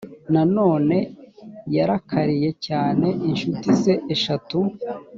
nanone yarakariye cyane incuti ze eshatu